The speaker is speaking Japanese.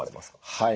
はい。